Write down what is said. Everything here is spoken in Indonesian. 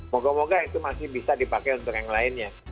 moga moga itu masih bisa dipakai untuk yang lainnya